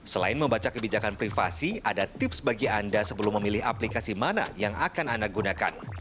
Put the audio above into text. selain membaca kebijakan privasi ada tips bagi anda sebelum memilih aplikasi mana yang akan anda gunakan